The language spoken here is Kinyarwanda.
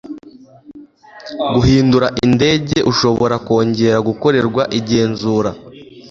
guhindura indege ushobora kongera gukorerwa igenzurwa